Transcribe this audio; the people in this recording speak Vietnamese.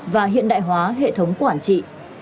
và hiện đại hóa hệ thống quản trị